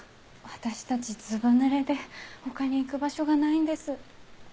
私たちずぶ濡れで他に行く場所がないんです。